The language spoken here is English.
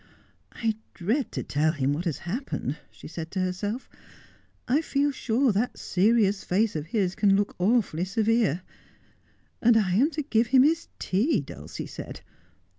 ' I dread to tell him what has happened,' she said to herself. ' I feel sure that serious face of his can look awfully severe. And I am to give him his tea, Dulcie said.